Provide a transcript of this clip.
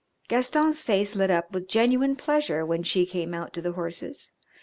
Gaston's face lit up with genuine pleasure when she came out to the horses.